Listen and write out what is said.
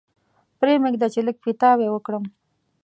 پرې مېږده چې لږ پیتاوی وکړم.